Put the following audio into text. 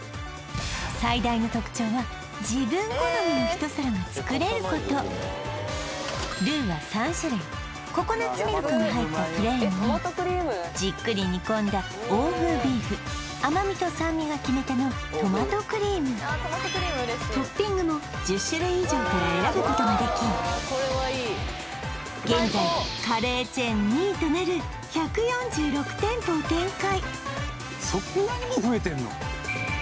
最大の特徴は自分好みの一皿が作れることルーは３種類ココナッツミルクが入ったプレーンにじっくり煮込んだ欧風ビーフ甘みと酸味が決め手のトマトクリームトッピングも１０種類以上から選ぶことができ現在カレーチェーン２位となる１４６店舗を展開